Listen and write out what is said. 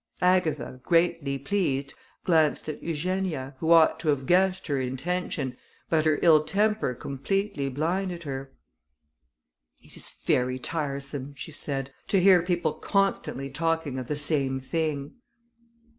Agatha, greatly pleased, glanced at Eugenia, who ought to have guessed her intention, but her ill temper completely blinded her. "It is very tiresome," she said, "to hear people constantly talking of the same thing."